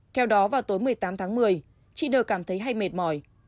theo đó vào tối một mươi tám tháng một mươi chị nờ cảm thấy hay mệt mỏi